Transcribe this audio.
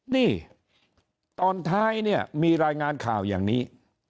นี่ตอนท้ายเนี่ยมีรายงานข่าวอย่างนี้